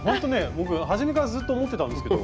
僕初めからずっと思ってたんですけど。